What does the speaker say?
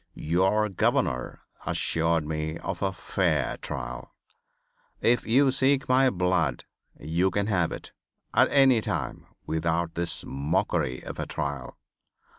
Your governor assured me of a fair trial. If you seek my blood you can have it at any time without this mockery of a trial.